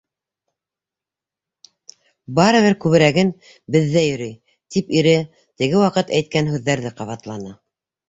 Барыбер күберәген беҙҙә йөрөй, —тип ире теге ваҡыт әйткән һүҙҙәрҙе ҡабатланы.